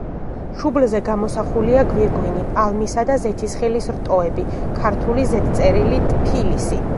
შუბლზე გამოსახულია გვირგვინი, პალმისა და ზეთისხილის რტოები, ქართული ზედწერილი „ტფილისი“.